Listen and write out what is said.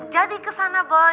jadi kesana boy